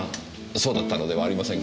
そうだったのではありませんか？